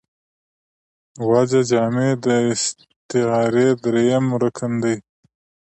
وجه جامع داستعارې درېیم رکن دﺉ.